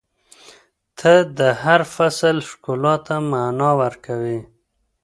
• ته د هر فصل ښکلا ته معنا ورکوې.